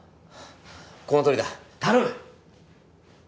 このとおりだ頼む